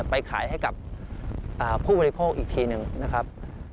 ไปขายให้กับผู้บริโภคอีกทีหนึ่งนะครับ